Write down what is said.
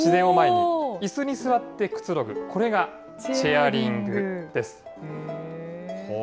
自然を前にいすに座ってくつろぐ、これがチェアリングです。